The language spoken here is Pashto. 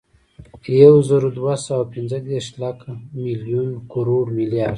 یوزرودوهسوه اوپنځهدېرش، لک، ملیون، کروړ، ملیارد